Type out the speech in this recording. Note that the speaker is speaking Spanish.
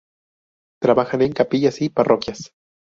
Trabajan en capillas y parroquias.